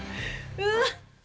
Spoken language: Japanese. うわっ。